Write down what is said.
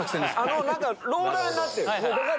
あの中ローラーになってる。